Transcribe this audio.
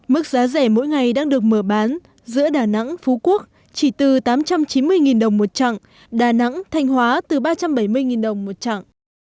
mức giá rẻ mỗi ngày đang được mở bán giữa đà nẵng phú quốc chỉ từ tám trăm chín mươi đồng một chặng đà nẵng thanh hóa từ ba trăm bảy mươi đồng một chặng